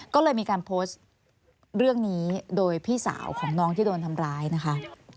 ก็เลยมีการโพสต์เรื่องนี้โดยพี่สาวของน้องที่โดนทำร้ายนะคะ